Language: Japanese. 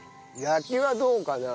焼きはどうかな？